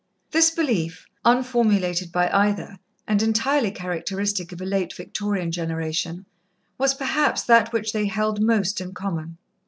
This belief, unformulated by either, and entirely characteristic of a late Victorian generation, was, perhaps, that which they held most in common.